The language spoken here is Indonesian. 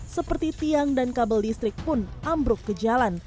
seperti tiang dan kabel listrik pun ambruk ke jalan